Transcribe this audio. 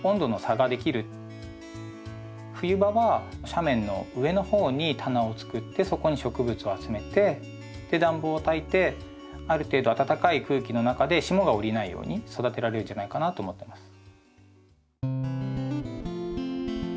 冬場は斜面の上の方に棚を作ってそこに植物を集めてで暖房をたいてある程度暖かい空気の中で霜が降りないように育てられるんじゃないかなと思ってます。